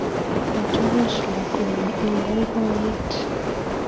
Kotoroch lakwennyi eng' poipoiyet